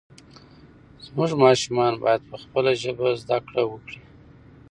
زموږ ماشومان باید په خپله ژبه زده کړه وکړي.